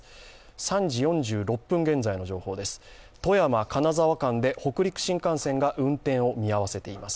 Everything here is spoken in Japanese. ３時４６分現在の情報です、富山−金沢間で北陸新幹線が運転を見合わせています。